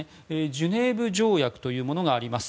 ジュネーブ条約というものがあります。